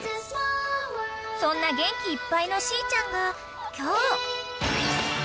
［そんな元気いっぱいのしーちゃんが今日］